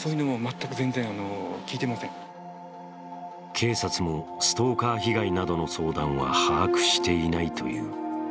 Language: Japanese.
警察もストーカー被害などの相談は把握していないという。